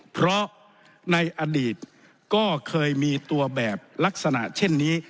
เพราะในอดีตก็เคยมีตัวแบบลักษณะเช่นนี้